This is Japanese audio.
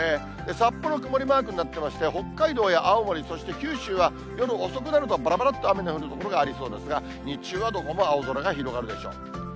札幌、曇りマークになってまして、北海道や青森、そして九州は、夜遅くなるとばらばらっと雨の降る所がありそうですが、日中はどこも青空が広がるでしょう。